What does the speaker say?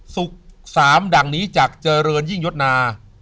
ศุกร์สามดังนี้จากเจริญยิ่งยศนา